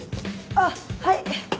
あっはい。